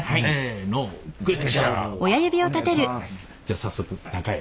じゃあ早速。